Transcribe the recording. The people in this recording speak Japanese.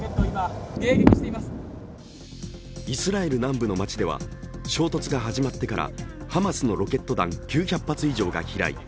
イスラエル南部の街では衝突が始まってからハマスのロケット弾９００発以上が飛来。